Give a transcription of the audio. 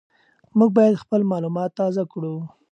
موږ باید خپل معلومات تازه کړو.